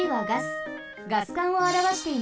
ガス管をあらわしています。